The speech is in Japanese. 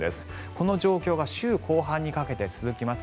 この状況が週後半にかけて続きます。